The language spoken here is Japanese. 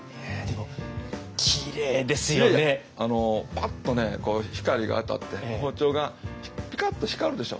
パッとねこう光が当たって包丁がピカッと光るでしょ？